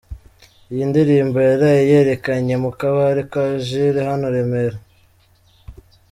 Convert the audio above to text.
Iyindirimbo yaraye yerekanye mukabare kwa Jule hano remera